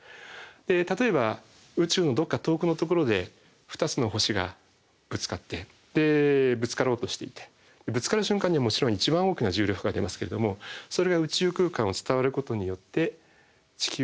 例えば宇宙のどっか遠くのところで２つの星がぶつかってでぶつかろうとしていてぶつかる瞬間にはもちろん一番大きな重力波が出ますけれどもそれが宇宙空間を伝わることによって地球を通過していくと。